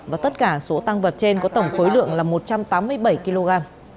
và tất cả số tăng vật trên có tổng khối lượng là một trăm tám mươi bảy kg